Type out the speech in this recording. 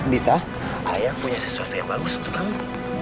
dita ayah punya sesuatu yang bagus untuk kamu